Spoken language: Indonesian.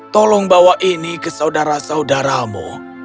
tolong bawa ini ke saudara saudaramu